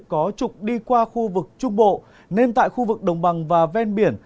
có trục đi qua khu vực trung bộ nên tại khu vực đồng bằng và ven biển